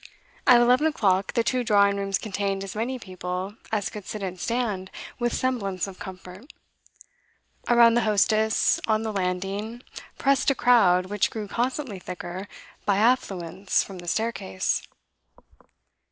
At eleven o'clock the two drawing rooms contained as many people as could sit and stand with semblance of comfort; around the hostess, on the landing, pressed a crowd, which grew constantly thicker by affluence from the staircase.